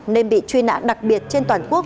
nên bị truy nã đặc biệt trên toàn quốc